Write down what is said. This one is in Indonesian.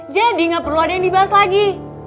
jadi gak perlu ada yang dibahas lagi